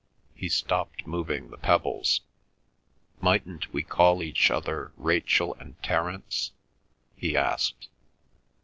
He stopped moving the pebbles. "Mightn't we call each other Rachel and Terence?" he asked.